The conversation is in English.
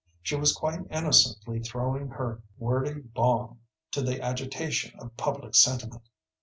She was quite innocently throwing her wordy bomb to the agitation of public sentiment.